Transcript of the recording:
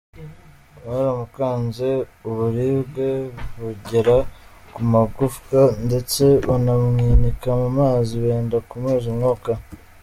Baramukanze uburibwe bugera ku magufwa ndetse banamwinika mu mazi benda kumuheza umwuka…’.